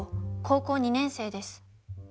高校２年生です。